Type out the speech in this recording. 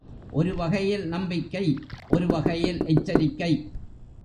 ஒருவகையில் நம்பிக்கை. ஒருவகையில் எச்சரிக்கை.